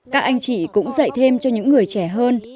các anh chị cũng dạy thêm cho những người trẻ hơn